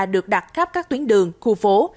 được đặt khắp các tuyến đường khu phố